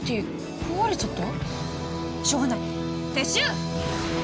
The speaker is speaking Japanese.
壊れちゃった？